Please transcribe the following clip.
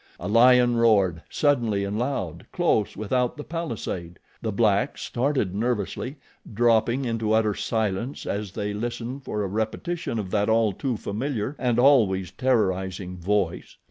A lion roared, suddenly and loud, close without the palisade. The blacks started nervously, dropping into utter silence as they listened for a repetition of that all too familiar and always terrorizing voice.